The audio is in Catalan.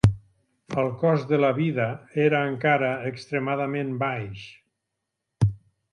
El cost de la vida era encara extremadament baix